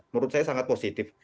menurut saya sangat positif